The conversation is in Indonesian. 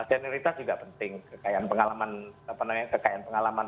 saya kira senioritas juga penting kekayaan pengalaman apa namanya kekayaan pengalaman